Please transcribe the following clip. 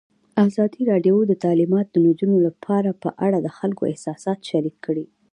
ازادي راډیو د تعلیمات د نجونو لپاره په اړه د خلکو احساسات شریک کړي.